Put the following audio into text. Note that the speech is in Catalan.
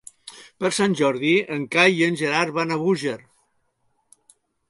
Per Sant Jordi en Cai i en Gerard van a Búger.